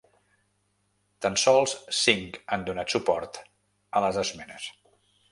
Tan sols cinc han donat suport a les esmenes.